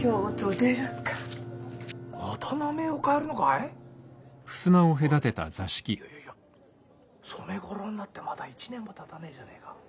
いやいや染五郎になってまだ１年もたたねえじゃねえか。